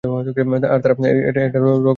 আর তারা এটা রক্ষার জন্য তোকে ভাড়া করেছে।